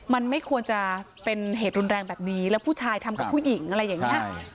มันไม่ควรจะเป็นเหตุรุนแรงแบบนี้แล้วผู้ชายทำกับผู้หญิงอะไรอย่างนี้